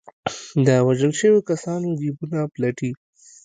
د وژل شوو کسانو جېبونه پلټي.